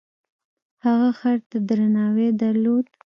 هغه خر ته درناوی درلود.